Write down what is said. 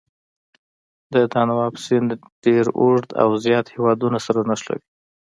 د دانوب سیند ډېر اوږد او زیات هېوادونه سره نښلوي.